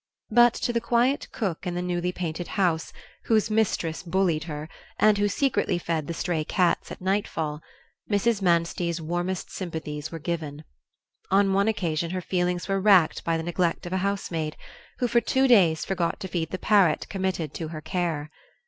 But to the quiet cook in the newly painted house, whose mistress bullied her, and who secretly fed the stray cats at nightfall, Mrs. Manstey's warmest sympathies were given. On one occasion her feelings were racked by the neglect of a housemaid, who for two days forgot to feed the parrot committed to her care.